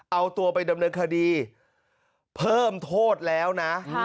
เอาตัวไปดำเนินคดีเพิ่มโทษแล้วนะ